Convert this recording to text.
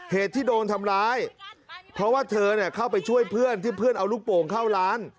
เหตุที่โดนทำร้ายเพราะว่าเธอเข้าไปช่วยเพื่อนที่เพื่อนเอาลูกโป่งเข้าร้าน